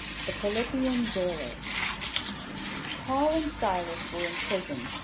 ] THE PHILIPPIAN JAILER. Paul and Silas were in prison.